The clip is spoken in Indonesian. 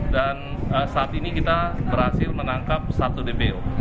saat ini kita berhasil menangkap satu dpo